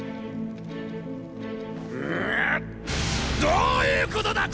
どういうことだ